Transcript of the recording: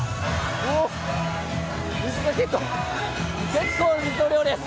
結構な水の量です！